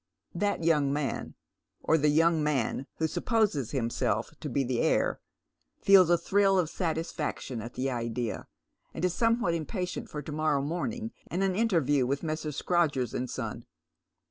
That young man — or the young man who supposes himself to be the heir — feels a thrill of satisfaction at the idea, and is some what impatient for to morrow morning and an interview with Messrs. Scrodgers and Son.